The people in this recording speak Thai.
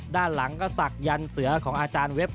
ด้านหลังก็ศักดันเสือของอาจารย์เว็บ